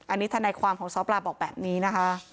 อันนี้ทนายความของซ้อปลาบอกแบบนี้นะคะ